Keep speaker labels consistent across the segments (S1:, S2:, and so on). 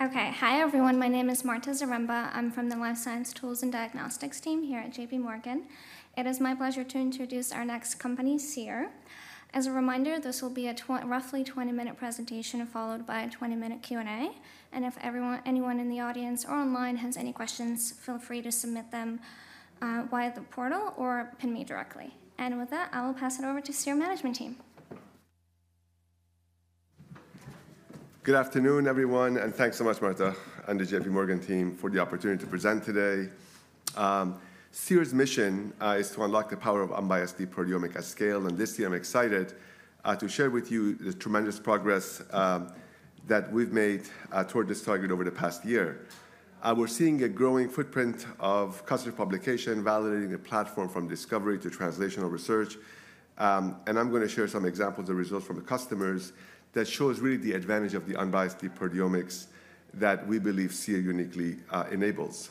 S1: Okay, hi everyone. My name is Marta Zaremba. I'm from the Life Science Tools and Diagnostics team here at JPMorgan. It is my pleasure to introduce our next company, Seer. As a reminder, this will be a roughly 20-minute presentation followed by a 20-minute Q&A. And if anyone in the audience or online has any questions, feel free to submit them via the portal or pin me directly. And with that, I will pass it over to Seer Management Team.
S2: Good afternoon, everyone, and thanks so much, Marta, and the JPMorgan team for the opportunity to present today. Seer's mission is to unlock the power of unbiased proteomics at scale. And this year, I'm excited to share with you the tremendous progress that we've made toward this target over the past year. We're seeing a growing footprint of customer publication, validating the platform from discovery to translational research. And I'm going to share some examples of results from the customers that show us really the advantage of the unbiased proteomics that we believe Seer uniquely enables.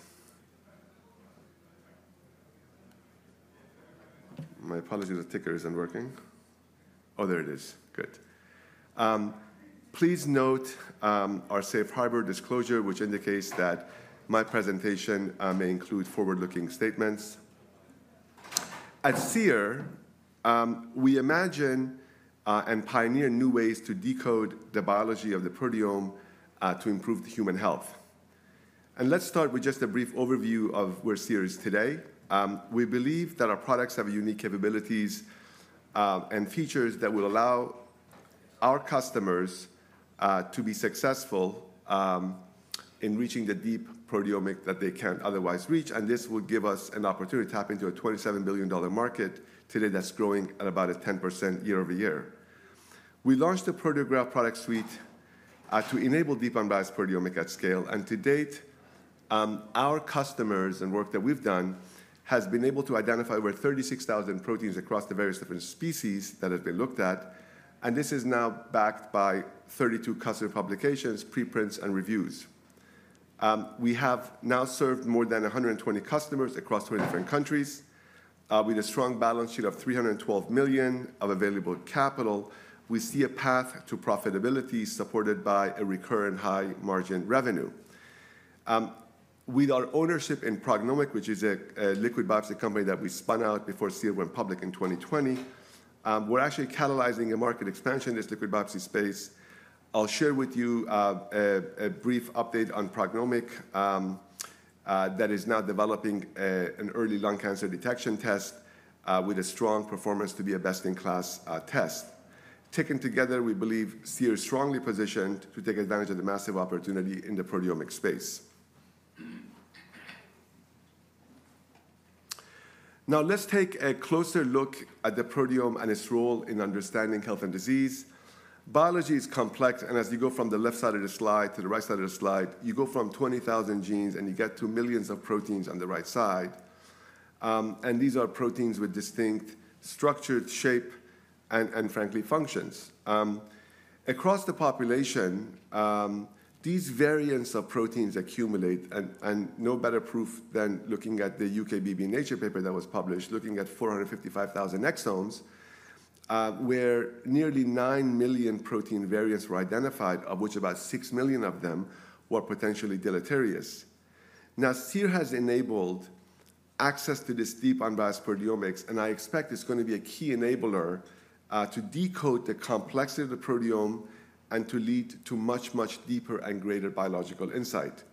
S2: My apologies, the ticker isn't working. Oh, there it is. Good. Please note our safe harbor disclosure, which indicates that my presentation may include forward-looking statements. At Seer, we imagine and pioneer new ways to decode the biology of the proteome to improve human health. Let's start with just a brief overview of where Seer is today. We believe that our products have unique capabilities and features that will allow our customers to be successful in reaching the deep proteomics that they can't otherwise reach. This will give us an opportunity to tap into a $27 billion market today that's growing at about 10% year over year. We launched the Proteograph Product Suite to enable deep unbiased proteomics at scale. To date, our customers and work that we've done has been able to identify over 36,000 proteins across the various different species that have been looked at. This is now backed by 32 customer publications, preprints, and reviews. We have now served more than 120 customers across 20 different countries. With a strong balance sheet of $312 million of available capital, we see a path to profitability supported by a recurrent high-margin revenue. With our ownership in PrognomiQ, which is a liquid biopsy company that we spun out before Seer went public in 2020, we're actually catalyzing a market expansion in this liquid biopsy space. I'll share with you a brief update on PrognomiQ that is now developing an early lung cancer detection test with a strong performance to be a best-in-class test. Taken together, we believe Seer is strongly positioned to take advantage of the massive opportunity in the proteomic space. Now, let's take a closer look at the proteome and its role in understanding health and disease. Biology is complex. As you go from the left side of the slide to the right side of the slide, you go from 20,000 genes and you get to millions of proteins on the right side. These are proteins with distinct structure, shape, and frankly, functions. Across the population, these variants of proteins accumulate. No better proof than looking at the UKBB Nature paper that was published, looking at 455,000 exomes, where nearly 9 million protein variants were identified, of which about 6 million of them were potentially deleterious. Now, Seer has enabled access to this deep unbiased proteomics. I expect it's going to be a key enabler to decode the complexity of the proteome and to lead to much, much deeper and greater biological insight.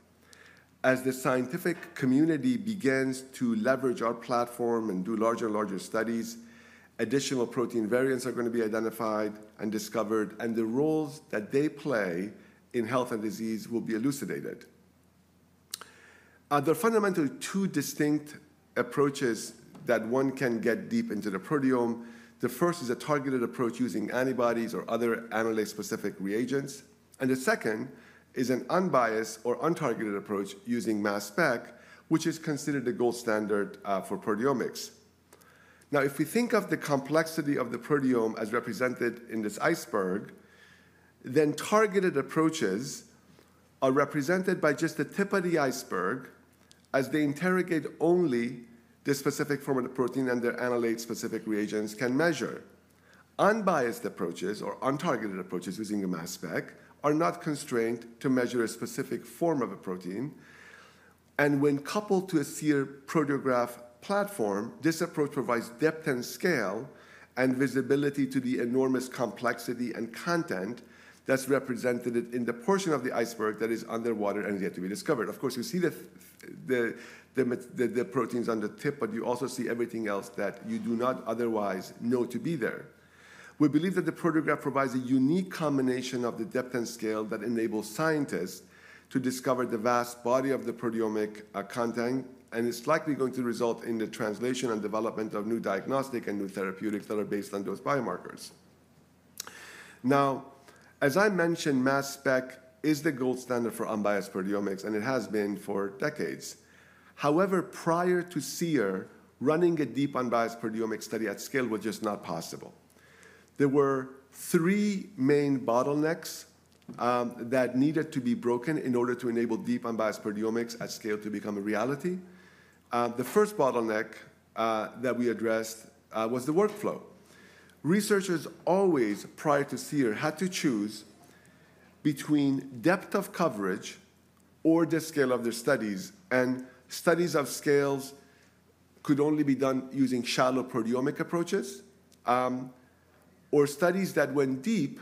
S2: As the scientific community begins to leverage our platform and do larger and larger studies, additional protein variants are going to be identified and discovered, and the roles that they play in health and disease will be elucidated. There are fundamentally two distinct approaches that one can get deep into the proteome. The first is a targeted approach using antibodies or other analyte-specific reagents, and the second is an unbiased or untargeted approach using mass spec, which is considered the gold standard for proteomics. Now, if we think of the complexity of the proteome as represented in this iceberg, then targeted approaches are represented by just the tip of the iceberg, as they interrogate only the specific form of the protein and their analyte-specific reagents can measure. Unbiased approaches or untargeted approaches using a mass spec are not constrained to measure a specific form of a protein. And when coupled to a Seer Proteograph platform, this approach provides depth and scale and visibility to the enormous complexity and content that's represented in the portion of the iceberg that is underwater and yet to be discovered. Of course, you see the proteins on the tip, but you also see everything else that you do not otherwise know to be there. We believe that the Proteograph provides a unique combination of the depth and scale that enables scientists to discover the vast body of the proteomic content. And it's likely going to result in the translation and development of new diagnostic and new therapeutic that are based on those biomarkers. Now, as I mentioned, mass spec is the gold standard for unbiased proteomics, and it has been for decades. However, prior to Seer, running a deep unbiased proteomics study at scale was just not possible. There were three main bottlenecks that needed to be broken in order to enable deep unbiased proteomics at scale to become a reality. The first bottleneck that we addressed was the workflow. Researchers always, prior to Seer, had to choose between depth of coverage or the scale of their studies. And studies of scales could only be done using shallow proteomic approaches, or studies that went deep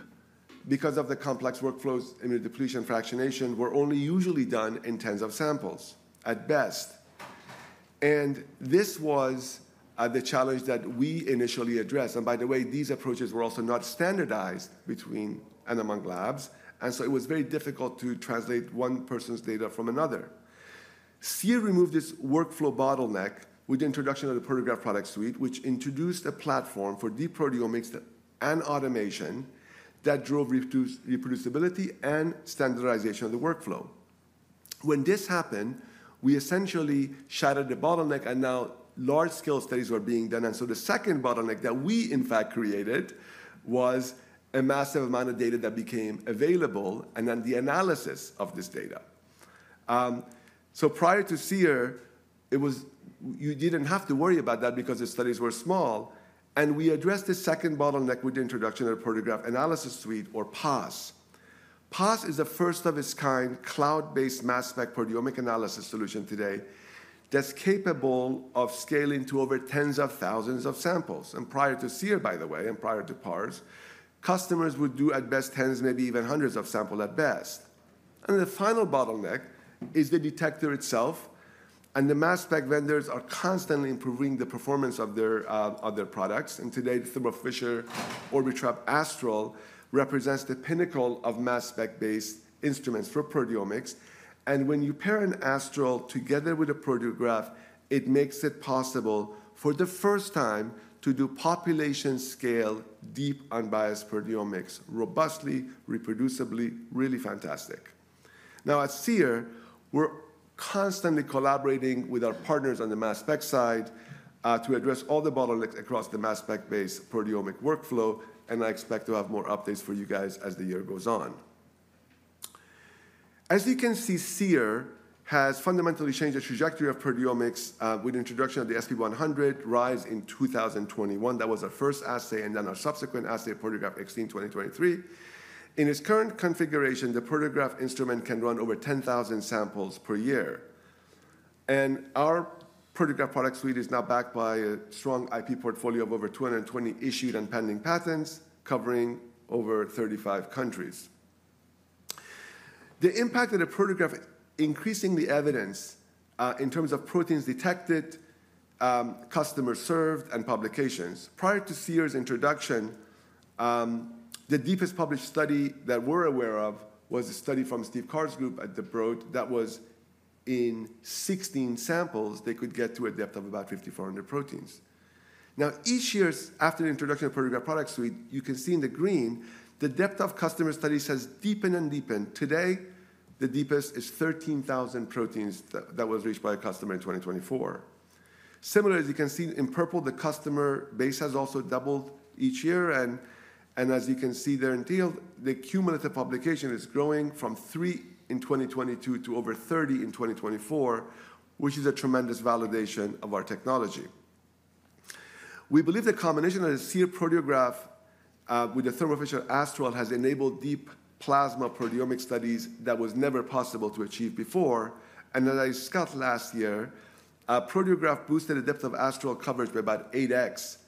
S2: because of the complex workflows and the depletion fractionation were only usually done in tens of samples at best. And this was the challenge that we initially addressed. And by the way, these approaches were also not standardized between and among labs. And so it was very difficult to translate one person's data from another. Seer removed this workflow bottleneck with the introduction of the Proteograph Product Suite, which introduced a platform for deep proteomics and automation that drove reproducibility and standardization of the workflow. When this happened, we essentially shattered the bottleneck. And now large-scale studies were being done. And so the second bottleneck that we, in fact, created was a massive amount of data that became available and then the analysis of this data. So prior to Seer, you didn't have to worry about that because the studies were small. And we addressed the second bottleneck with the introduction of the Proteograph Analysis Suite, or PAS. PAS is a first-of-its-kind cloud-based mass spec proteomic analysis solution today that's capable of scaling to over tens of thousands of samples. And prior to Seer, by the way, and prior to PAS, customers would do at best tens, maybe even hundreds of samples at best. And the final bottleneck is the detector itself. And the mass spec vendors are constantly improving the performance of their products. And today, the Thermo Fisher Orbitrap Astral represents the pinnacle of mass spec-based instruments for proteomics. And when you pair an Astral together with a Proteograph, it makes it possible for the first time to do population-scale deep unbiased proteomics robustly, reproducibly, really fantastic. Now, at Seer, we're constantly collaborating with our partners on the mass spec side to address all the bottlenecks across the mass spec-based proteomic workflow. And I expect to have more updates for you guys as the year goes on. As you can see, Seer has fundamentally changed the trajectory of proteomics with the introduction of the SP100 release in 2021. That was our first assay. And then our subsequent assay, Proteograph XT in 2023. In its current configuration, the Proteograph instrument can run over 10,000 samples per year. And our Proteograph Product Suite is now backed by a strong IP portfolio of over 220 issued and pending patents covering over 35 countries. The impact of the Proteograph is increasingly evidenced in terms of proteins detected, customers served, and publications. Prior to Seer's introduction, the deepest published study that we're aware of was a study from Steve Carr's group at the Broad Institute that was in 16 samples they could get to a depth of about 5,400 proteins. Now, each year after the introduction of the Proteograph Product Suite, you can see in the green the depth of customer studies has deepened and deepened. Today, the deepest is 13,000 proteins that were reached by a customer in 2024. Similarly, as you can see in purple, the customer base has also doubled each year. As you can see there in teal, the cumulative publication is growing from three in 2022 to over 30 in 2024, which is a tremendous validation of our technology. We believe the combination of the Seer Proteograph with the Orbitrap Astral has enabled deep plasma proteomic studies that were never possible to achieve before. As I discussed last year, Proteograph boosted the depth of Astral coverage by about 8x.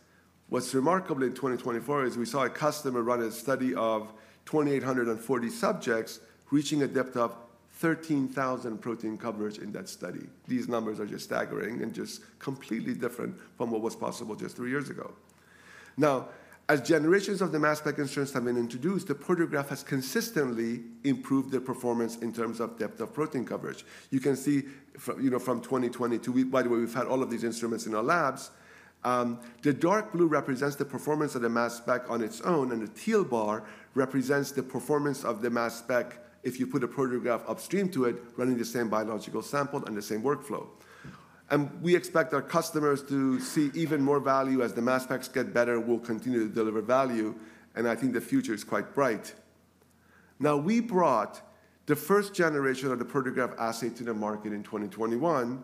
S2: What's remarkable in 2024 is we saw a customer run a study of 2,840 subjects reaching a depth of 13,000 protein coverage in that study. These numbers are just staggering and just completely different from what was possible just three years ago. Now, as generations of the mass spec instruments have been introduced, the Proteograph has consistently improved the performance in terms of depth of protein coverage. You can see from 2022, by the way, we've had all of these instruments in our labs. The dark blue represents the performance of the mass spec on its own, and the teal bar represents the performance of the mass spec if you put a Proteograph upstream to it, running the same biological sample and the same workflow, and we expect our customers to see even more value as the mass specs get better. We'll continue to deliver value, and I think the future is quite bright. Now, we brought the first generation of the Proteograph assay to the market in 2021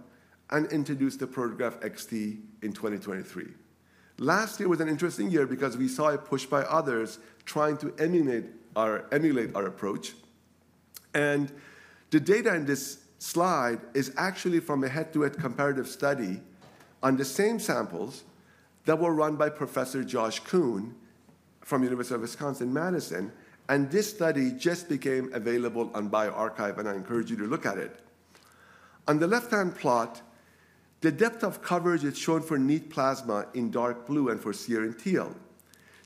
S2: and introduced the Proteograph XT in 2023. Last year was an interesting year because we saw a push by others trying to emulate our approach. And the data in this slide is actually from a head-to-head comparative study on the same samples that were run by Professor Joshua J. Coon from the University of Wisconsin–Madison. And this study just became available on bioRxiv. And I encourage you to look at it. On the left-hand plot, the depth of coverage is shown for neat plasma in dark blue and for Seer in teal.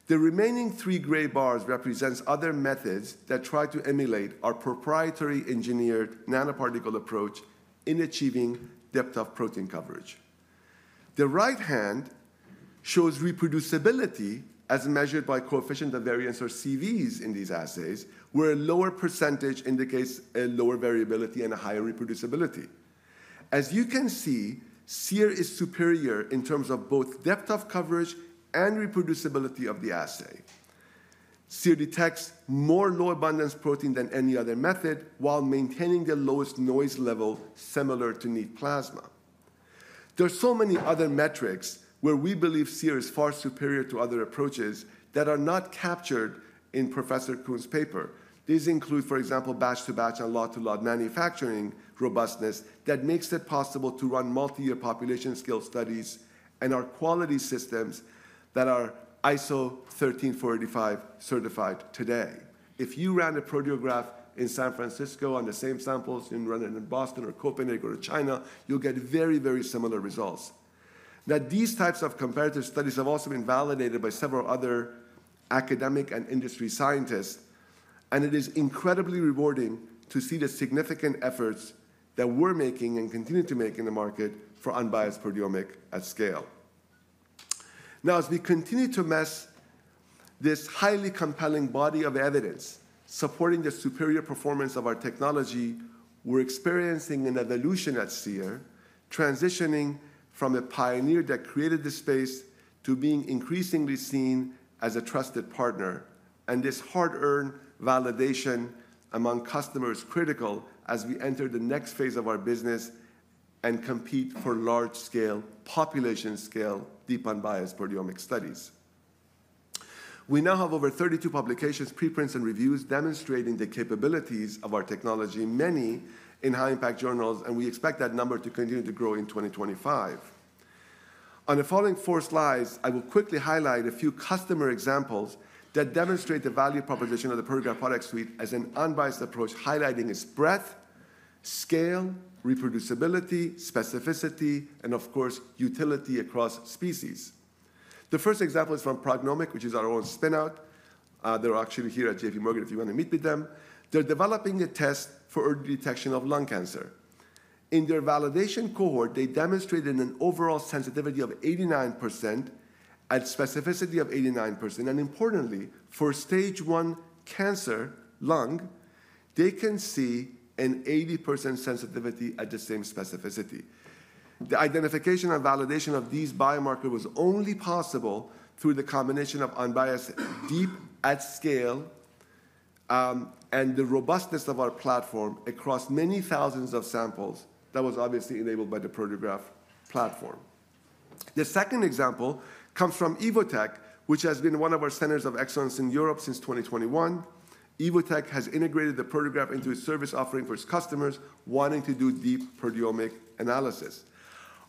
S2: The remaining three gray bars represent other methods that try to emulate our proprietary engineered nanoparticle approach in achieving depth of protein coverage. The right-hand shows reproducibility as measured by coefficient of variation, or CVs, in these assays, where a lower percentage indicates a lower variability and a higher reproducibility. As you can see, Seer is superior in terms of both depth of coverage and reproducibility of the assay. Seer detects more low abundance protein than any other method while maintaining the lowest noise level similar to neat plasma. There are so many other metrics where we believe Seer is far superior to other approaches that are not captured in Professor Coon's paper. These include, for example, batch-to-batch and lot-to-lot manufacturing robustness that makes it possible to run multi-year population-scale studies and our quality systems that are ISO 13485 certified today. If you ran a Proteograph in San Francisco on the same samples and run it in Boston or Copenhagen or China, you'll get very, very similar results. Now, these types of comparative studies have also been validated by several other academic and industry scientists, and it is incredibly rewarding to see the significant efforts that we're making and continue to make in the market for unbiased proteomic at scale. Now, as we continue to mesh this highly compelling body of evidence supporting the superior performance of our technology, we're experiencing an evolution at Seer, transitioning from a pioneer that created this space to being increasingly seen as a trusted partner. And this hard-earned validation among customers is critical as we enter the next phase of our business and compete for large-scale, population-scale, deep unbiased proteomic studies. We now have over 32 publications, preprints, and reviews demonstrating the capabilities of our technology, many in high-impact journals. And we expect that number to continue to grow in 2025. On the following four slides, I will quickly highlight a few customer examples that demonstrate the value proposition of the Proteograph Product Suite as an unbiased approach highlighting its breadth, scale, reproducibility, specificity, and, of course, utility across species. The first example is from PrognomiQ, which is our own spinout. They're actually here at JPMorgan if you want to meet with them. They're developing a test for early detection of lung cancer. In their validation cohort, they demonstrated an overall sensitivity of 89% and specificity of 89%. Importantly, for stage 1 cancer, lung, they can see an 80% sensitivity at the same specificity. The identification and validation of these biomarkers was only possible through the combination of unbiased deep at scale and the robustness of our platform across many thousands of samples that was obviously enabled by the Proteograph platform. The second example comes from Evotec, which has been one of our centers of excellence in Europe since 2021. Evotec has integrated the Proteograph into its service offering for its customers wanting to do deep proteomic analysis.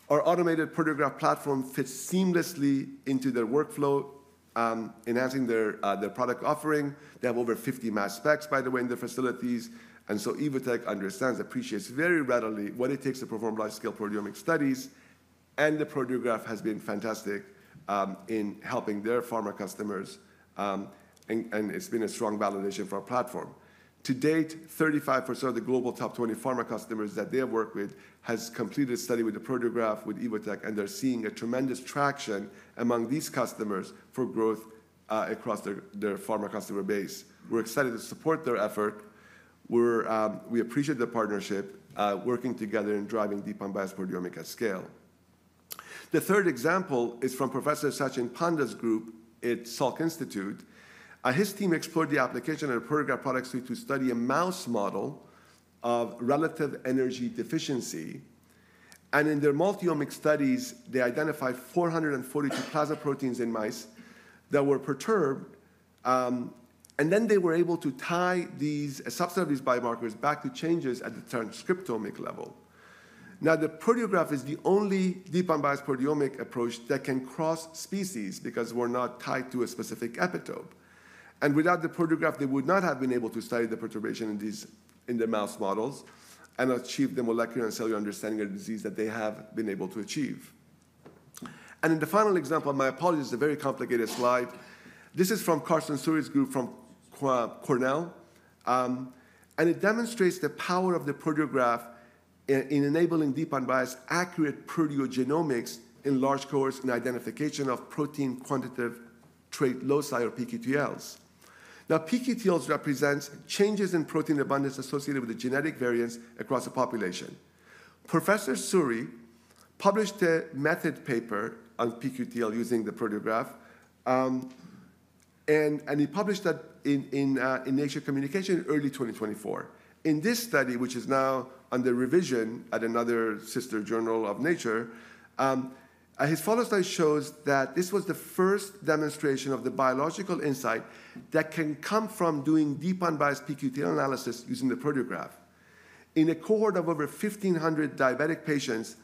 S2: Our automated Proteograph platform fits seamlessly into their workflow, enhancing their product offering. They have over 50 mass specs, by the way, in their facilities. And so Evotec understands, appreciates very readily what it takes to perform large-scale proteomic studies. And the Proteograph has been fantastic in helping their pharma customers. And it's been a strong validation for our platform. To date, 35% of the global top 20 pharma customers that they have worked with have completed a study with the Proteograph, with Evotec. And they're seeing a tremendous traction among these customers for growth across their pharma customer base. We're excited to support their effort. We appreciate the partnership working together in driving deep unbiased proteomics at scale. The third example is from Professor Satchin Panda's group at Salk Institute. His team explored the application of the Proteograph Product Suite to study a mouse model of relative energy deficiency. In their multi-omic studies, they identified 442 plasma proteins in mice that were perturbed. They were able to tie these subset of these biomarkers back to changes at the transcriptomic level. Now, the Proteograph is the only deep unbiased proteomic approach that can cross species because we're not tied to a specific epitope. Without the Proteograph, they would not have been able to study the perturbation in the mouse models and achieve the molecular and cellular understanding of the disease that they have been able to achieve. In the final example, my apologies, it's a very complicated slide. This is from Karsten Suhre's group from Cornell. It demonstrates the power of the Proteograph in enabling deep unbiased, accurate proteogenomics in large cohorts and identification of protein quantitative trait loci or pQTLs. Now, pQTLs represent changes in protein abundance associated with the genetic variance across the population. Professor Suhre published a method paper on pQTL using the Proteograph, and he published that in Nature Communications in early 2024. In this study, which is now under revision at another sister journal of Nature, his follow-up study shows that this was the first demonstration of the biological insight that can come from doing deep unbiased pQTL analysis using the Proteograph. In a cohort of over 1,500 diabetic patients,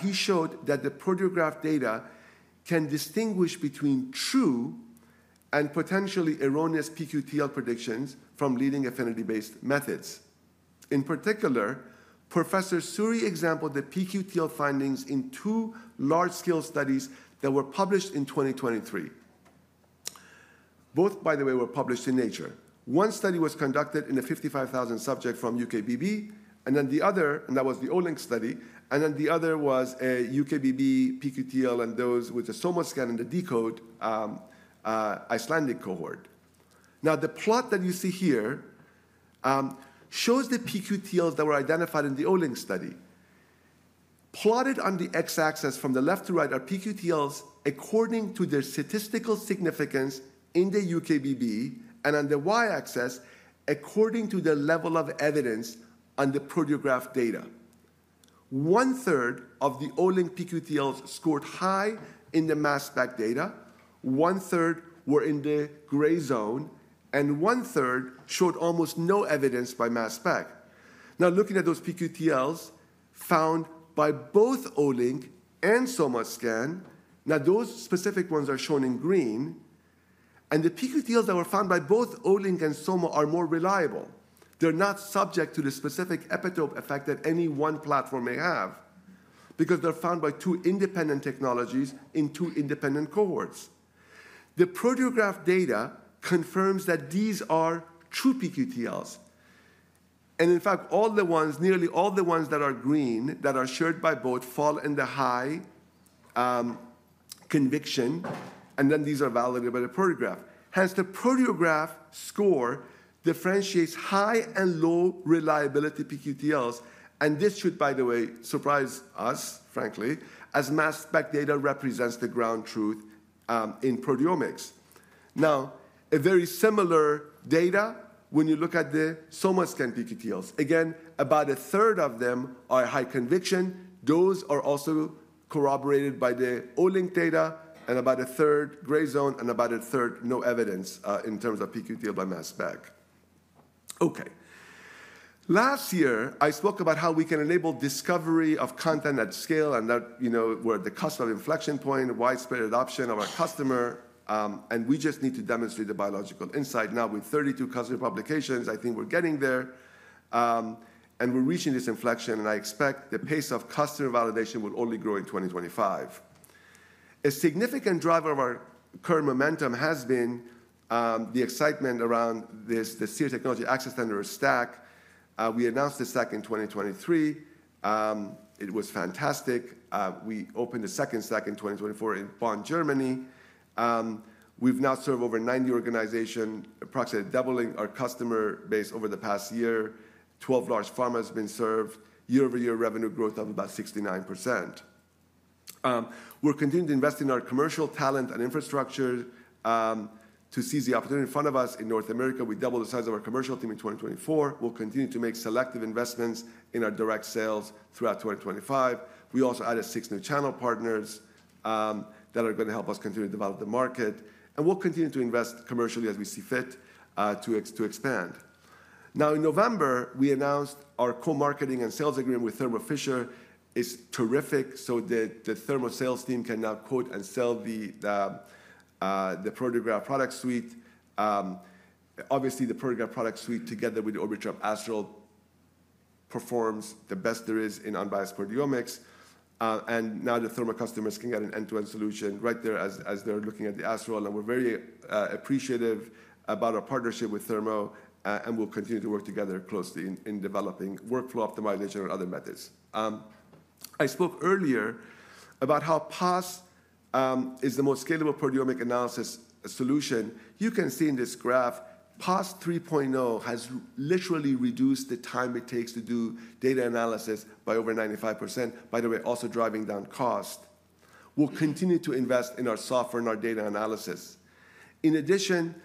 S2: he showed that the Proteograph data can distinguish between true and potentially erroneous pQTL predictions from leading affinity-based methods. In particular, Professor Suhre exemplified the pQTL findings in two large-scale studies that were published in 2023. Both, by the way, were published in Nature. One study was conducted in 55,000 subjects from UKBB, and then the other was the Olink study. And then the other was a UKBB pQTL and those with the SomaScan and the deCODE Icelandic cohort. Now, the plot that you see here shows the pQTLs that were identified in the Olink study. Plotted on the x-axis from the left to right are pQTLs according to their statistical significance in the UKBB. And on the y-axis, according to the level of evidence on the Proteograph data. One-third of the Olink pQTLs scored high in the mass spec data. One-third were in the gray zone. And one-third showed almost no evidence by mass spec. Now, looking at those pQTLs found by both Olink and SomaScan, now those specific ones are shown in green. And the pQTLs that were found by both Olink and SomaScan are more reliable. They're not subject to the specific epitope effect that any one platform may have because they're found by two independent technologies in two independent cohorts. The Proteograph data confirms that these are true pQTLs, and in fact, nearly all the ones that are green that are shared by both fall in the high conviction, and then these are validated by the Proteograph. Hence, the Proteograph score differentiates high and low reliability pQTLs, and this should, by the way, surprise us, frankly, as mass spec data represents the ground truth in proteomics. Now, a very similar data when you look at the SomaScan pQTLs. Again, about a third of them are high conviction. Those are also corroborated by the Olink data, and about a third, gray zone, and about a third, no evidence in terms of pQTL by mass spec. OK. Last year, I spoke about how we can enable discovery of content at scale and that we're at the customer inflection point, widespread adoption of our customer. And we just need to demonstrate the biological insight. Now, with 32 customer publications, I think we're getting there. And we're reaching this inflection. And I expect the pace of customer validation will only grow in 2025. A significant driver of our current momentum has been the excitement around the Seer Technology Access Center. We announced the Center in 2023. It was fantastic. We opened the second Center in 2024 in Bonn, Germany. We've now served over 90 organizations, approximately doubling our customer base over the past year. 12 large pharmas have been served. Year-over-year revenue growth of about 69%. We're continuing to invest in our commercial talent and infrastructure to seize the opportunity in front of us. In North America, we doubled the size of our commercial team in 2024. We'll continue to make selective investments in our direct sales throughout 2025. We also added six new channel partners that are going to help us continue to develop the market. And we'll continue to invest commercially as we see fit to expand. Now, in November, we announced our co-marketing and sales agreement with Thermo Fisher. It's terrific. So the Thermo sales team can now quote and sell the Proteograph product suite. Obviously, the Proteograph product suite, together with the Orbitrap Astral, performs the best there is in unbiased proteomics. And now the Thermo customers can get an end-to-end solution right there as they're looking at the Astral. And we're very appreciative about our partnership with Thermo. And we'll continue to work together closely in developing workflow optimization or other methods. I spoke earlier about how PAS is the most scalable proteomic analysis solution. You can see in this graph, PAS 3.0 has literally reduced the time it takes to do data analysis by over 95%, by the way, also driving down cost. We'll continue to invest in our software and our data analysis. In addition,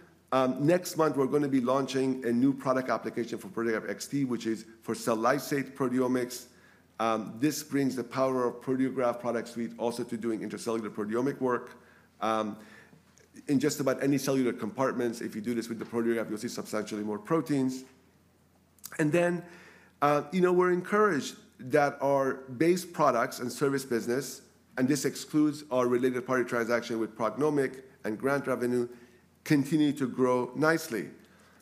S2: next month, we're going to be launching a new product application for Proteograph XT, which is for cell lysate proteomics. This brings the power of Proteograph Product Suite also to doing intracellular proteomic work in just about any cellular compartments. If you do this with the Proteograph, you'll see substantially more proteins. Then we're encouraged that our base products and service business, and this excludes our related party transaction with PrognomiQ and grant revenue, continue to grow nicely.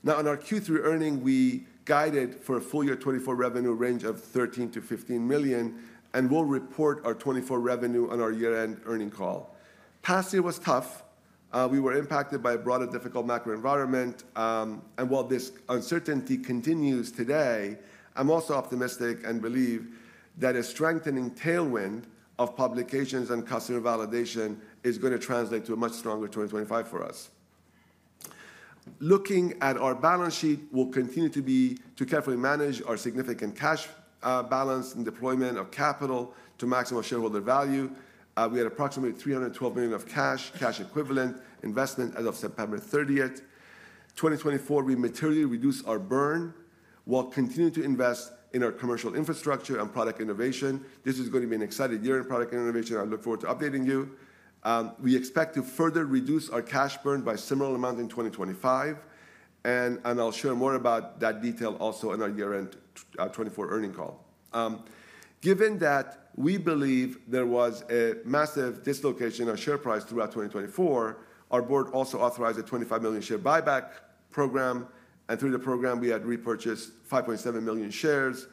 S2: Now, on our Q3 earnings, we guided for a full year 2024 revenue range of $13 million-$15 million. And we'll report our 2024 revenue on our year-end earnings call. Past year was tough. We were impacted by a broader difficult macro environment. And while this uncertainty continues today, I'm also optimistic and believe that a strengthening tailwind of publications and customer validation is going to translate to a much stronger 2025 for us. Looking at our balance sheet, we'll continue to carefully manage our significant cash balance and deployment of capital to maximum shareholder value. We had approximately $312 million of cash, cash equivalents and investments as of September 30. In 2024, we materially reduced our burn while continuing to invest in our commercial infrastructure and product innovation. This is going to be an exciting year in product innovation. I look forward to updating you. We expect to further reduce our cash burn by a similar amount in 2025. I'll share more about that detail also in our year-end 2024 earnings call. Given that we believe there was a massive dislocation of share price throughout 2024, our board also authorized a $25 million share buyback program. Through the program, we had repurchased 5.7 million shares,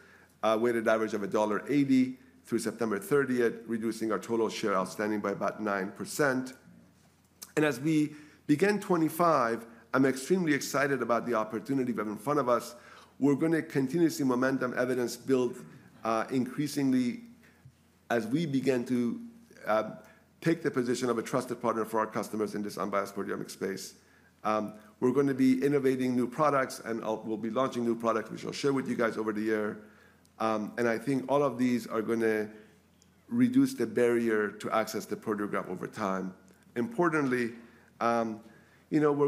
S2: weighted average of $1.80 through September 30, reducing our total shares outstanding by about 9%. As we begin 2025, I'm extremely excited about the opportunity we have in front of us. We're going to continuously see momentum evidence build increasingly as we begin to take the position of a trusted partner for our customers in this unbiased proteomic space. We're going to be innovating new products. We'll be launching new products which I'll share with you guys over the year. I think all of these are going to reduce the barrier to access the Proteograph over time. Importantly, we're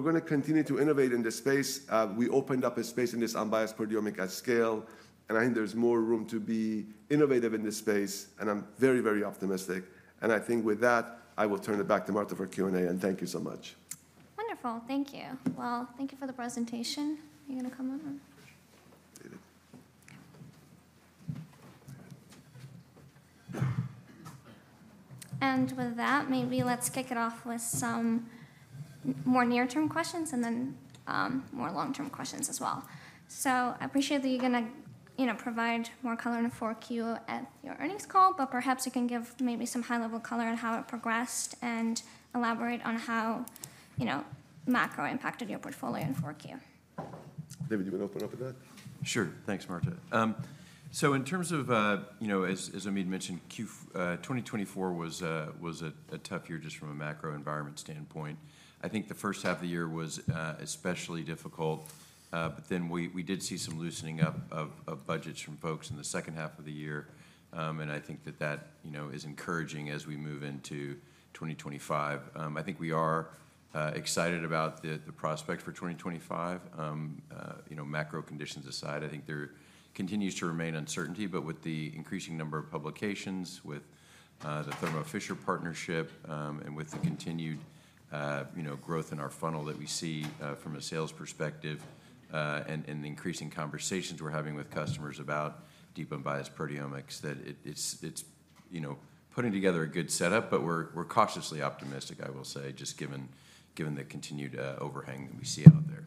S2: going to continue to innovate in this space. We opened up a space in this unbiased proteomics at scale. I think there's more room to be innovative in this space. I'm very, very optimistic. I think with that, I will turn it back to Marta for Q&A. Thank you so much.
S1: Wonderful. Thank you. Thank you for the presentation. Are you going to come on? With that, maybe let's kick it off with some more near-term questions and then more long-term questions as well. I appreciate that you're going to provide more color in 4Q at your earnings call. Perhaps you can give maybe some high-level color on how it progressed and elaborate on how macro impacted your portfolio in 4Q.
S2: David, do you want to open up with that?
S3: Sure. Thanks, Marta. So in terms of, as Omid mentioned, 2024 was a tough year just from a macro environment standpoint. I think the first half of the year was especially difficult. But then we did see some loosening up of budgets from folks in the second half of the year. And I think that is encouraging as we move into 2025. I think we are excited about the prospects for 2025. Macro conditions aside, I think there continues to remain uncertainty. But with the increasing number of publications, with the Thermo Fisher partnership, and with the continued growth in our funnel that we see from a sales perspective, and the increasing conversations we're having with customers about deep unbiased proteomics, that it's putting together a good setup. But we're cautiously optimistic, I will say, just given the continued overhang that we see out there.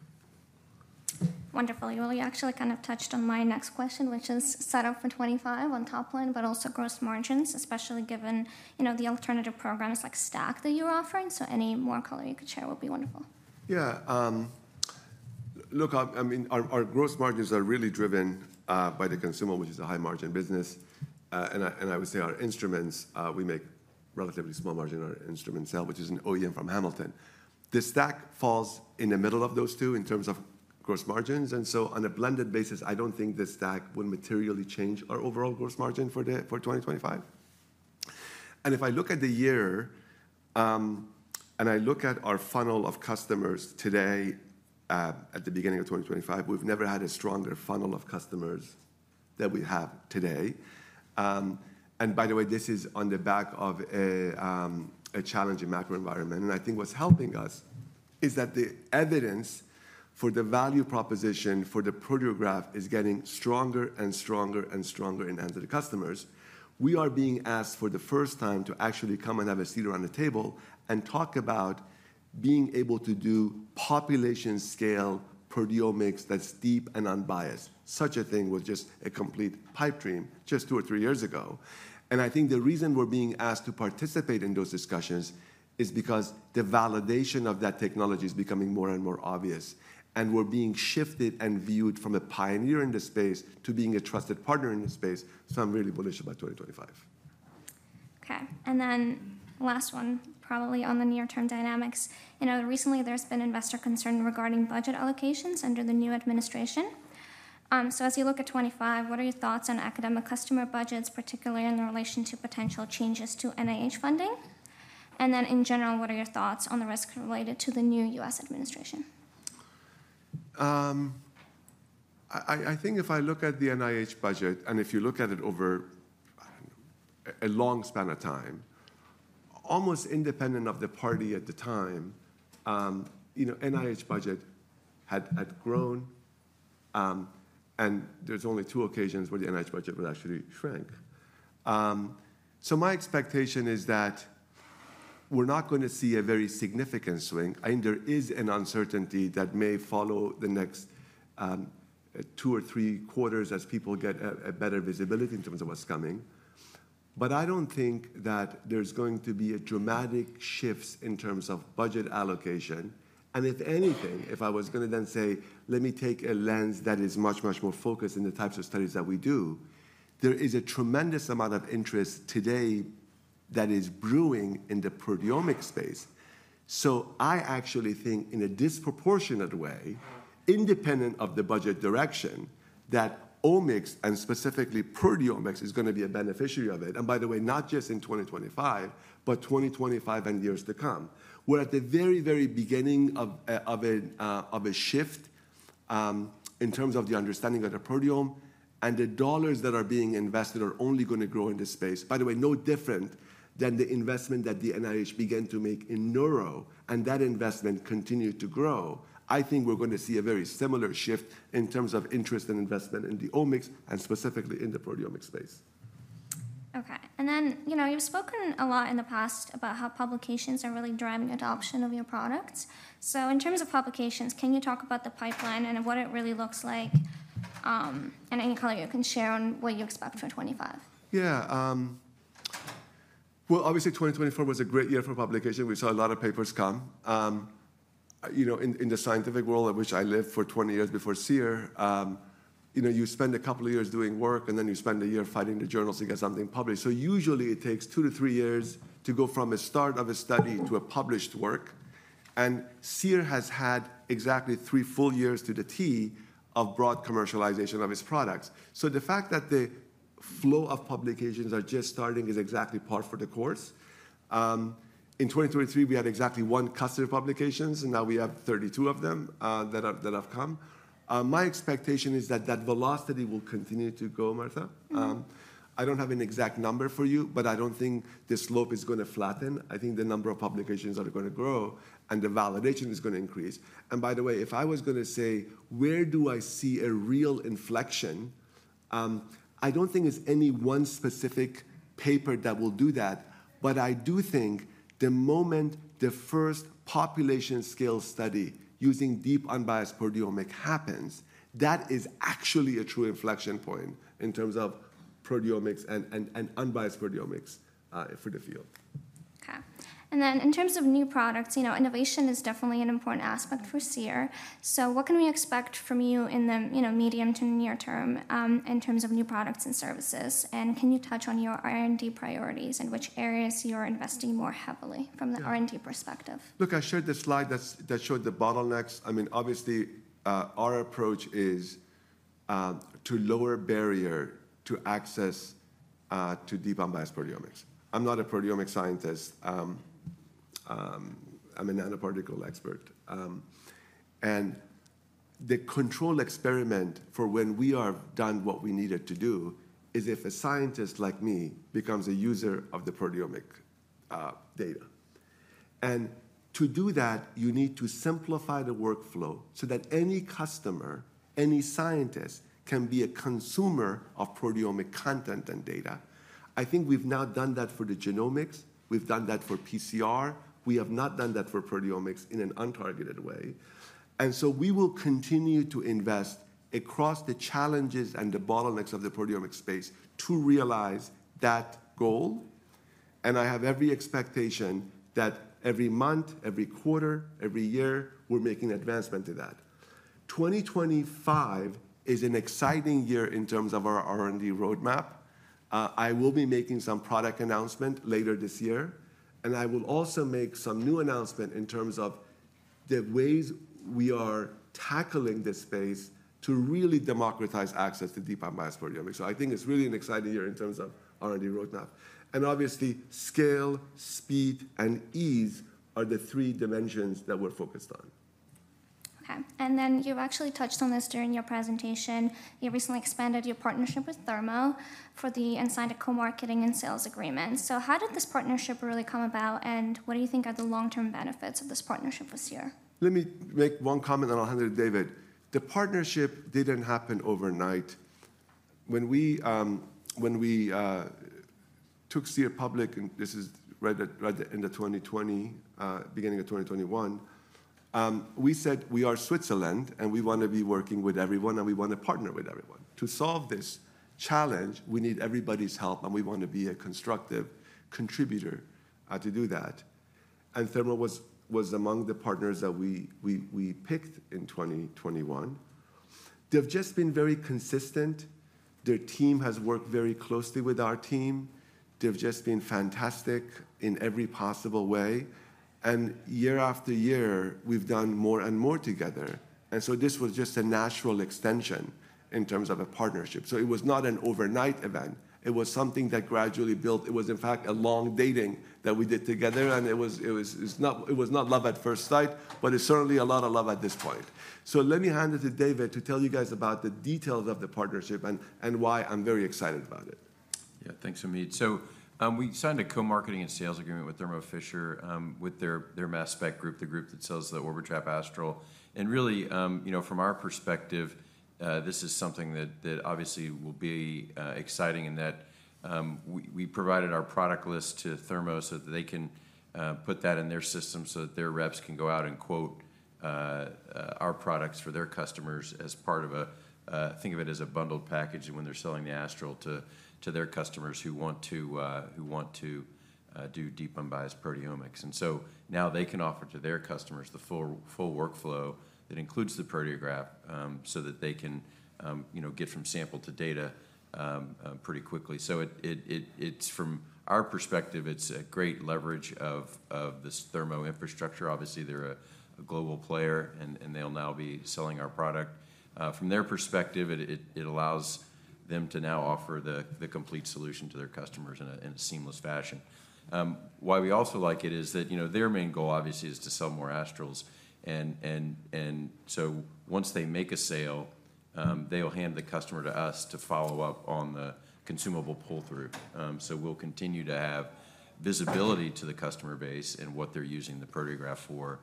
S1: Wonderful. You actually kind of touched on my next question, which is set up for 2025 on top line, but also gross margins, especially given the alternative programs like STAC that you're offering. So any more color you could share would be wonderful.
S2: Yeah. Look, I mean, our gross margins are really driven by the consumables, which is a high-margin business. And I would say our instruments, we make relatively small margin in our instrument sale, which is an OEM from Hamilton. The STAC falls in the middle of those two in terms of gross margins. And so on a blended basis, I don't think the STAC will materially change our overall gross margin for 2025. And if I look at the year and I look at our funnel of customers today at the beginning of 2025, we've never had a stronger funnel of customers than we have today. And by the way, this is on the back of a challenging macro environment. And I think what's helping us is that the evidence for the value proposition for the Proteograph is getting stronger and stronger and stronger in the hands of the customers. We are being asked for the first time to actually come and have a seat around the table and talk about being able to do population-scale proteomics that's deep and unbiased. Such a thing was just a complete pipe dream just two or three years ago. And I think the reason we're being asked to participate in those discussions is because the validation of that technology is becoming more and more obvious. And we're being shifted and viewed from a pioneer in the space to being a trusted partner in the space. So I'm really bullish about 2025.
S1: OK. And then last one, probably on the near-term dynamics. Recently, there's been investor concern regarding budget allocations under the new administration. So as you look at 2025, what are your thoughts on academic customer budgets, particularly in relation to potential changes to NIH funding? And then in general, what are your thoughts on the risk related to the new U.S. administration?
S2: I think if I look at the NIH budget, and if you look at it over a long span of time, almost independent of the party at the time, NIH budget had grown. And there's only two occasions where the NIH budget would actually shrink. So my expectation is that we're not going to see a very significant swing. I think there is an uncertainty that may follow the next two or three quarters as people get a better visibility in terms of what's coming. But I don't think that there's going to be dramatic shifts in terms of budget allocation. And if anything, if I was going to then say, let me take a lens that is much, much more focused in the types of studies that we do, there is a tremendous amount of interest today that is brewing in the proteomics space. I actually think in a disproportionate way, independent of the budget direction, that omics and specifically proteomics is going to be a beneficiary of it. By the way, not just in 2025, but 2025 and years to come. We're at the very, very beginning of a shift in terms of the understanding of the proteome. And the dollars that are being invested are only going to grow in this space, by the way, no different than the investment that the NIH began to make in genomics. And that investment continued to grow. I think we're going to see a very similar shift in terms of interest and investment in the omics and specifically in the proteomics space.
S1: OK. And then you've spoken a lot in the past about how publications are really driving adoption of your products. So in terms of publications, can you talk about the pipeline and what it really looks like? And any color you can share on what you expect for 2025.
S2: Yeah, well, obviously, 2024 was a great year for publication. We saw a lot of papers come. In the scientific world, which I lived for 20 years before Seer, you spend a couple of years doing work, and then you spend a year fighting the journals to get something published. Usually, it takes two to three years to go from the start of a study to a published work. Seer has had exactly three full years to the T of broad commercialization of its products. The fact that the flow of publications is just starting is exactly par for the course. In 2023, we had exactly one customer publications. Now we have 32 of them that have come. My expectation is that that velocity will continue to go, Marta. I don't have an exact number for you. But I don't think the slope is going to flatten. I think the number of publications are going to grow. And the validation is going to increase. And by the way, if I was going to say, where do I see a real inflection, I don't think there's any one specific paper that will do that. But I do think the moment the first population-scale study using deep unbiased proteomics happens, that is actually a true inflection point in terms of proteomics and unbiased proteomics for the field.
S1: OK. And then in terms of new products, innovation is definitely an important aspect for Seer. So what can we expect from you in the medium to near term in terms of new products and services? And can you touch on your R&D priorities and which areas you're investing more heavily from the R&D perspective?
S2: Look, I shared the slide that showed the bottlenecks. I mean, obviously, our approach is to lower barrier to access to deep unbiased proteomics. I'm not a proteomics scientist. I'm a nanoparticle expert. And the control experiment for when we are done what we needed to do is if a scientist like me becomes a user of the proteomic data. And to do that, you need to simplify the workflow so that any customer, any scientist can be a consumer of proteomic content and data. I think we've now done that for the genomics. We've done that for PCR. We have not done that for proteomics in an untargeted way. And so we will continue to invest across the challenges and the bottlenecks of the proteomics space to realize that goal. And I have every expectation that every month, every quarter, every year, we're making advancement to that. 2025 is an exciting year in terms of our R&D roadmap. I will be making some product announcement later this year, and I will also make some new announcement in terms of the ways we are tackling this space to really democratize access to deep unbiased proteomics, so I think it's really an exciting year in terms of R&D roadmap, and obviously, scale, speed, and ease are the three dimensions that we're focused on.
S1: Okay. And then you've actually touched on this during your presentation. You recently expanded your partnership with Thermo for the insider co-marketing and sales agreement. So how did this partnership really come about? And what do you think are the long-term benefits of this partnership this year?
S2: Let me make one comment, and I'll hand it to David. The partnership didn't happen overnight. When we took Seer public, and this is right at the end of 2020, beginning of 2021, we said we are Switzerland, and we want to be working with everyone and we want to partner with everyone. To solve this challenge, we need everybody's help, and we want to be a constructive contributor to do that, and Thermo was among the partners that we picked in 2021. They've just been very consistent. Their team has worked very closely with our team. They've just been fantastic in every possible way, and year after year, we've done more and more together, and so this was just a natural extension in terms of a partnership, so it was not an overnight event. It was something that gradually built. It was, in fact, a long dating that we did together. And it was not love at first sight. But it's certainly a lot of love at this point. So let me hand it to David to tell you guys about the details of the partnership and why I'm very excited about it.
S3: Yeah. Thanks, Omid. So we signed a co-marketing and sales agreement with Thermo Fisher with their mass spec group, the group that sells the Orbitrap Astral. And really, from our perspective, this is something that obviously will be exciting in that we provided our product list to Thermo so that they can put that in their system so that their reps can go out and quote our products for their customers as part of a think of it as a bundled package when they're selling the Astral to their customers who want to do deep unbiased proteomics. And so now they can offer to their customers the full workflow that includes the Proteograph so that they can get from sample to data pretty quickly. So from our perspective, it's a great leverage of this Thermo infrastructure. Obviously, they're a global player. And they'll now be selling our product. From their perspective, it allows them to now offer the complete solution to their customers in a seamless fashion. Why we also like it is that their main goal, obviously, is to sell more Astrals. And so once they make a sale, they'll hand the customer to us to follow up on the consumable pull-through. So we'll continue to have visibility to the customer base and what they're using the Proteograph for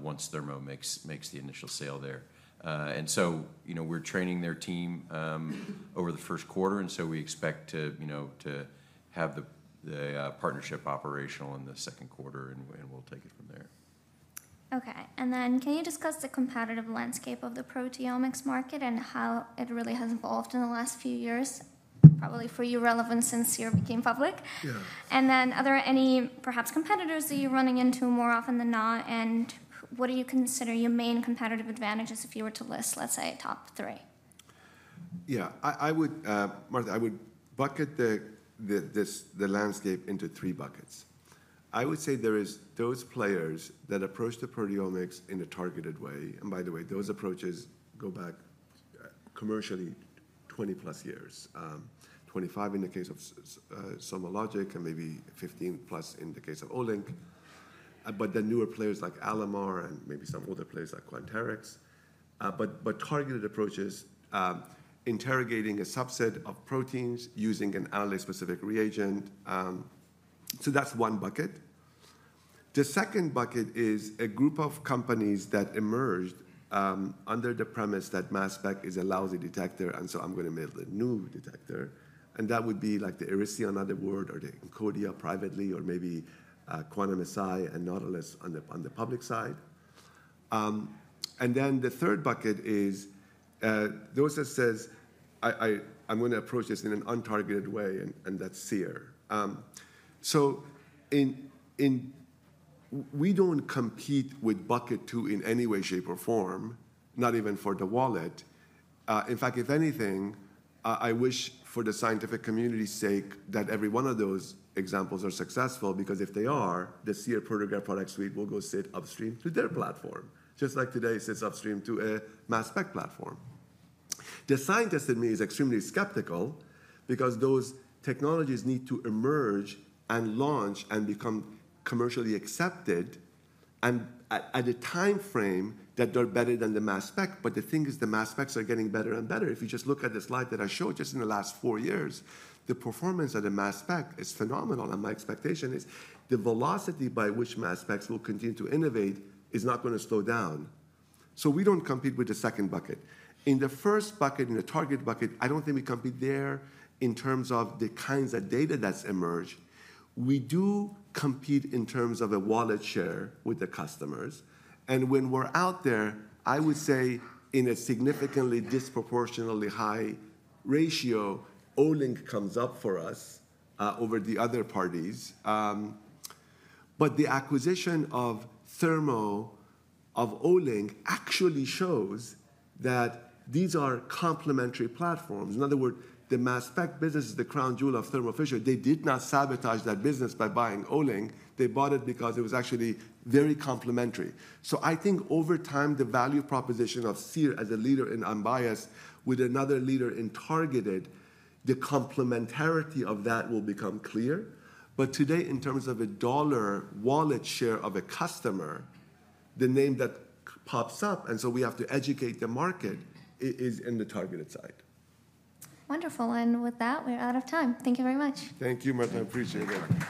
S3: once Thermo makes the initial sale there. And so we're training their team over the Q1. And so we expect to have the partnership operational in the Q2. And we'll take it from there.
S1: OK. And then can you discuss the competitive landscape of the proteomics market and how it really has evolved in the last few years, probably for your relevance since Seer became public?
S2: Yeah.
S1: And then are there any perhaps competitors that you're running into more often than not? And what do you consider your main competitive advantages if you were to list, let's say, a top three?
S2: Yeah. Marta, I would bucket the landscape into three buckets. I would say there are those players that approach the proteomics in a targeted way. And by the way, those approaches go back commercially 20-plus years, 25 in the case of SomaLogic and maybe 15-plus in the case of Olink. But then newer players like Alamar and maybe some older players like Quanterix. But targeted approaches, interrogating a subset of proteins using an allele-specific reagent. So that's one bucket. The second bucket is a group of companies that emerged under the premise that mass spec is a lousy detector. And so I'm going to make the new detector. And that would be like the Erisyon on the board or the Encodia privately or maybe Quantum-Si and Nautilus on the public side. And then the third bucket is those that say, I'm going to approach this in an untargeted way. And that's Seer. So we don't compete with bucket two in any way, shape, or form, not even for the wallet. In fact, if anything, I wish for the scientific community's sake that every one of those examples are successful. Because if they are, the Seer Proteograph Product Suite will go sit upstream to their platform, just like today sits upstream to a mass spec platform. The scientist in me is extremely skeptical because those technologies need to emerge and launch and become commercially accepted at a time frame that they're better than the mass spec. But the thing is, the mass specs are getting better and better. If you just look at the slide that I showed just in the last four years, the performance of the mass spec is phenomenal. My expectation is the velocity by which mass specs will continue to innovate is not going to slow down. So we don't compete with the second bucket. In the first bucket, in the target bucket, I don't think we compete there in terms of the kinds of data that's emerged. We do compete in terms of a wallet share with the customers. And when we're out there, I would say in a significantly disproportionately high ratio, Olink comes up for us over the other parties. But the acquisition of Thermo of Olink actually shows that these are complementary platforms. In other words, the mass spec business is the crown jewel of Thermo Fisher. They did not sabotage that business by buying Olink. They bought it because it was actually very complementary. So, I think over time, the value proposition of Seer as a leader in unbiased with another leader in targeted, the complementarity of that will become clear. But today, in terms of a dollar wallet share of a customer, the name that pops up, and so we have to educate the market, is in the targeted side.
S1: Wonderful. And with that, we're out of time. Thank you very much.
S2: Thank you, Marta. I appreciate it.